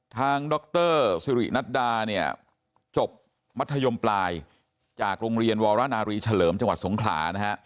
ทางดรศิรินัทดาจบมัธยมปลายจากโรงเรียนวรานารีเฉลิมจังหวัดสงขลา